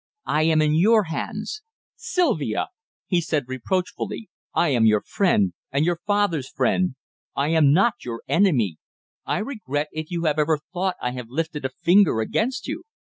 I am in your hands." "Sylvia!" he said reproachfully. "I am your friend and your father's friend. I am not your enemy. I regret if you have ever thought I have lifted a finger against you."